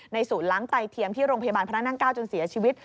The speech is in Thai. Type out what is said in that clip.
ศูนย์ล้างไตเทียมที่โรงพยาบาลพระนั่ง๙จนเสียชีวิต